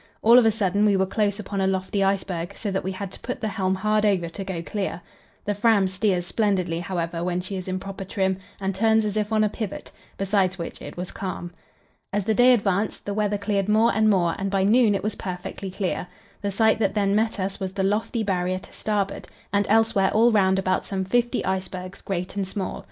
All of a sudden we were close upon a lofty iceberg, so that we had to put the helm hard over to go clear. The Fram steers splendidly, however, when she is in proper trim, and turns as if on a pivot; besides which, it was calm. As the day advanced, the weather cleared more and more, and by noon it was perfectly clear. The sight that then met us was the lofty Barrier to starboard, and elsewhere all round about some fifty icebergs, great and small.